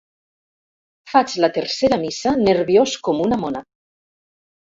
Faig la tercera missa nerviós com una mona.